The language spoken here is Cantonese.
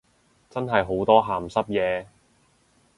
真係好多鹹濕嘢